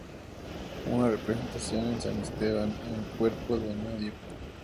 Una representación de San Esteban en el cuerpo de en medio.